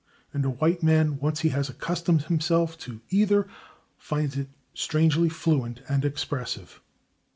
And a white man, once he has accustomed himself to either, finds it strangely fluent and expressive.